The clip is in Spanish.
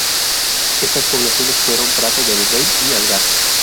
Estas poblaciones fueron Prado del Rey y Algar.